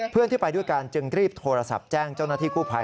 เพื่อนที่ไปด้วยกันจึงรีบโทรศัพท์แจ้งเจ้าหน้าที่กู้ภัย